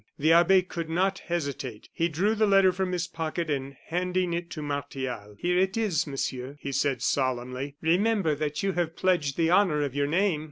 The abbe could not hesitate. He drew the letter from his pocket and handing it to Martial: "Here it is, Monsieur," he said, solemnly, "remember that you have pledged the honor of your name."